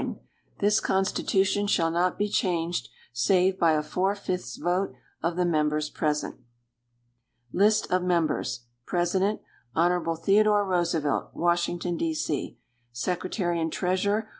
This Constitution shall not be changed, save by a four fifths vote of the members present. List of Members President. Hon. Theodore Roosevelt, Washington, D. C. _Secretary and Treasurer.